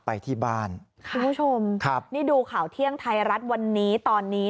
ไปที่บ้านคุณผู้ชมครับนี่ดูข่าวเที่ยงไทยรัฐวันนี้ตอนนี้